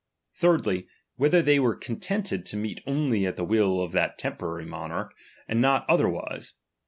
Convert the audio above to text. Thirdly, whether they were contented to meet only at the will of that temporary monarch, and not other irise.